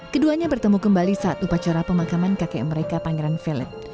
keduanya bertemu kembali saat upacara pemakaman kakek mereka pangeran philip